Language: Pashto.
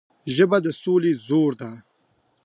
ژبه د سولې زور ده